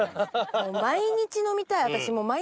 毎日飲みたい私。